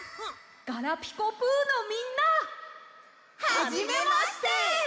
「ガラピコぷ」のみんな！はじめまして！